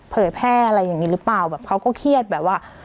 เผยแพร่อะไรอย่างนี้หรือเปล่าแบบเขาก็เครียดแบบว่า